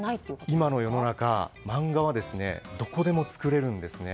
今の世の中漫画はどこでも作れるんですね。